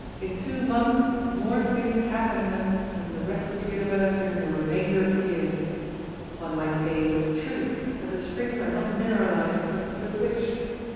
In two months more things happen in them than in the rest of the universe during the remainder of the year. One might say with truth that the springs are not mineralized but bewitched.